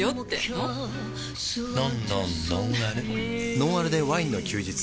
「ノンアルでワインの休日」